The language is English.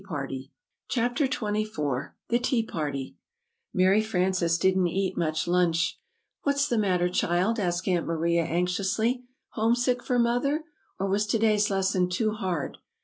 ] CHAPTER XXIV THE TEA PARTY MARY FRANCES didn't eat much lunch. "What's the matter, child?" asked Aunt Maria, anxiously. "'Homesick' for Mother? or was to day's lesson too hard?"